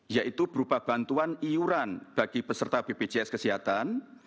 yaitu berupa bantuan iuran bagi peserta bpjs kesehatan